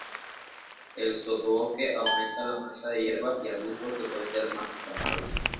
El sotobosque aumenta la masa de hierbas y arbustos que pueden ser más inflamables.